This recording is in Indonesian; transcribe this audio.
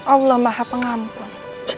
allah maha pengampun